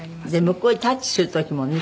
向こうへタッチする時もね。